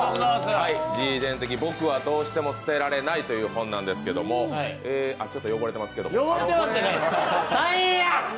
自伝的「僕はどうしても捨てられない」という本なんですけどもちょっと汚れてますけど。